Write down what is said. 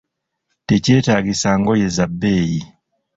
Tekyetaagisa ngoye za bbeeyi.